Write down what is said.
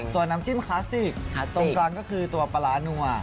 น้ำจิ้มคลาสสิกตรงกลางก็คือตัวปลาร้านัว